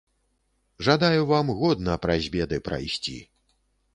Жадаю вам годна праз беды прайсці.